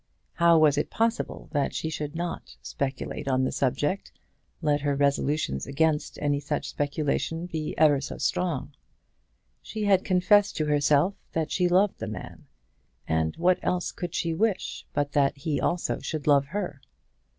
How was it possible that she should not speculate on the subject, let her resolutions against any such speculation be ever so strong? She had confessed to herself that she loved the man, and what else could she wish but that he also should love her?